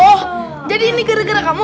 oh jadi ini gara gara kamu